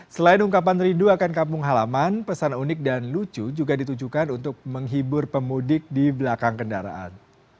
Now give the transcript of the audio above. selain ungkapan rindu akan kampung halaman pesan unik dan lucu juga ditujukan untuk menghibur pemudik di belakang kendaraan